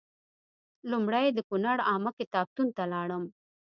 لومړی د کونړ عامه کتابتون ته لاړم.